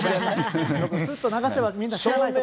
すっと流せば、みんな知らない。